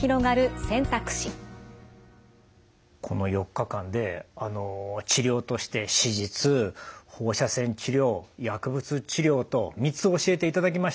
この４日間で治療として手術放射線治療薬物治療と３つ教えていただきました。